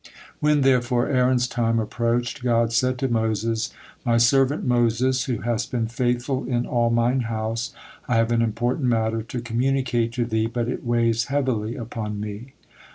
When, therefore, Aaron's time approached, God said to Moses: "My servant Moses, who hast been 'faithful in all Mine house,' I have an important matter to communicate to thee, but it weighs heavily upon Me."